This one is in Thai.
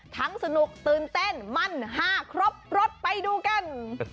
สนุกตื่นเต้นมั่นห้าครบรถไปดูกัน